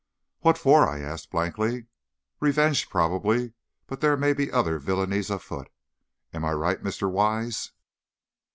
"What for?" I asked, blankly. "Revenge, probably, but there may be other villainies afoot. Am I right, Mr. Wise?"